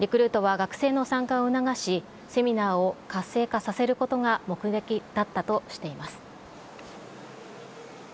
リクルートは学生の参加を促し、セミナーを活性化させることが目的だったとしています。